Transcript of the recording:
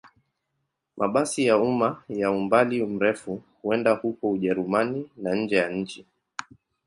Mabasi ya umma ya umbali mrefu huenda huko Ujerumani na nje ya nchi.